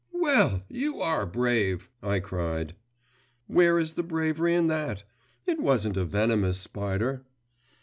'Well, you are brave!' I cried. 'Where is the bravery in that? It wasn't a venomous spider.